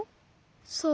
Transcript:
そう。